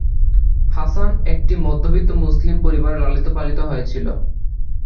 হাসান একটি মধ্যবিত্ত মুসলিম পরিবারে লালিত-পালিত হয়েছিল।